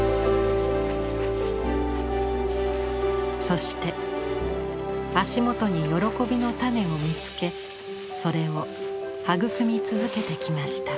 そして足元に喜びの種を見つけそれを育み続けてきました。